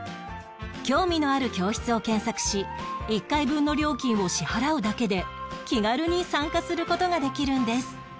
興味のある教室を検索し１回分の料金を支払うだけで気軽に参加する事ができるんです